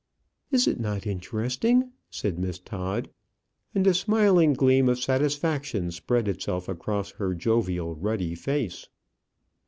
"Is it not interesting?" said Miss Todd; and a smiling gleam of satisfaction spread itself across her jovial ruddy face.